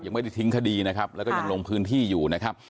ไม่ได้ทิ้งคดีนะครับแล้วก็ยังลงพื้นที่อยู่นะครับ